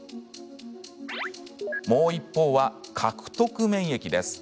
もう一方は、獲得免疫です。